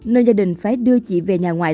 nên gia đình phải đưa chị về nhà ngoại